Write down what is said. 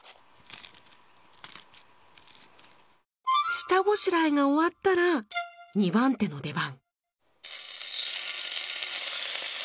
下ごしらえが終わったら２番手の出番。